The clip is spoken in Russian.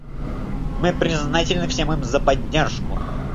Мы признательны всем им за поддержку.